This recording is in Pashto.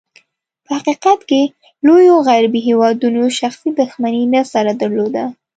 په حقیقت کې، لوېو غربي هېوادونو شخصي دښمني نه سره درلوده.